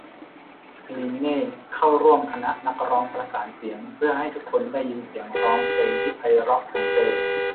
ลีนเน่เข้าร่วมคณะนักร้องประสานเสียงเพื่อให้ทุกคนได้ยินเสียงร้องเพลงที่ไพเราะของเธอ